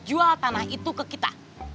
jual tanah itu ke kita